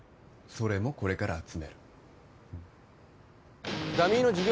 それもこれから集めるダミーの事業